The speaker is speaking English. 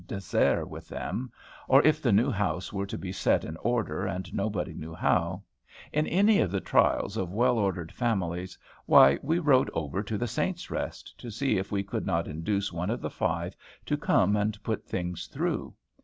Desert with them, or if the new house were to be set in order, and nobody knew how, in any of the trials of well ordered families, why, we rode over to the Saints' Rest to see if we could not induce one of the five to come and put things through.